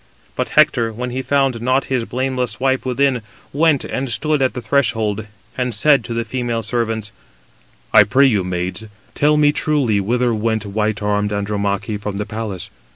But Hector, when he found not his blameless wife within, went and stood at the threshold, and said to the female servants: "I pray you, maids, tell me truly whither went white armed Andromache from the palace?